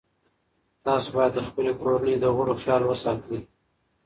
تاسو باید د خپلې کورنۍ د غړو خیال وساتئ.